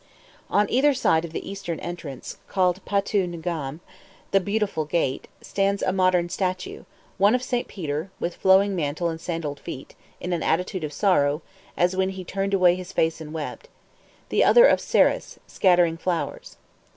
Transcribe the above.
On either side of the eastern entrance called Patoo Ngam, "The Beautiful Gate" stands a modern statue; one of Saint Peter, with flowing mantle and sandalled feet, in an attitude of sorrow, as when "he turned away his face and wept"; the other of Ceres, scattering flowers.